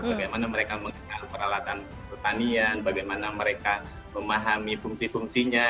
bagaimana mereka mengenal peralatan pertanian bagaimana mereka memahami fungsi fungsinya